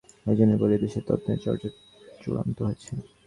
এই জন্য বলি, এদেশে তন্ত্রের চর্চা চূড়ান্ত হয়েছে।